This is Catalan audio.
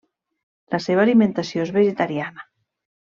La seva alimentació és vegetariana.